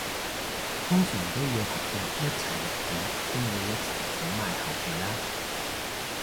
通常都要合作一齊錄片先會一齊整埋後期啦？